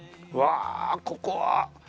わあここは。